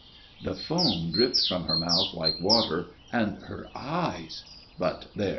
" The foam dripped from her mouth like water, and her eyes But there